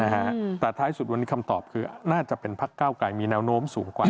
แต่ท้ายสุดวันนี้คำตอบคือน่าจะเป็นพักเก้าไกรมีแนวโน้มสูงกว่า